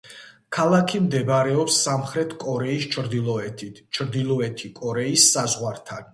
ქალაქი მდებარეობს სამხრეთ კორეის ჩრდილოეთით, ჩრდილოეთი კორეის საზღვართან.